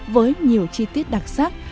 với nhiều chi tiết đặc sắc